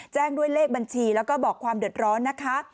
แจ้งด้วยเลขบัญชีแล้วก็บอกความเดือดร้อนนะคะ